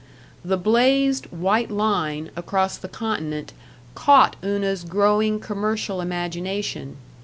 The blazed White Line across the continent caught Una's growing commercial imagination.